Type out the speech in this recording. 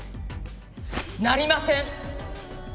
なりません！